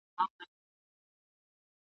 زما جانانه کندهاره!